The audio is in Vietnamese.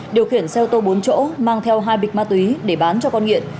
điều khiển xe ô tô bốn chỗ mang theo hai bịch ma túy để bán cho con nghiện